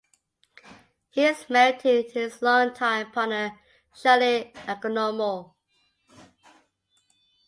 He is married to his longtime partner Sharlene Economou.